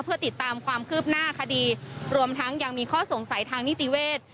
เพื่อติดตามความคืบหน้าคดีรวมทั้งยังมีข้อสงสัยทางนิติเวทย์